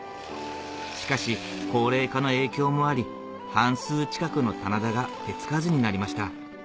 しかし高齢化の影響もあり半数近くの棚田が手付かずになりました